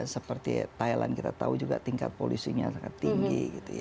seperti thailand kita tahu juga tingkat polusinya sangat tinggi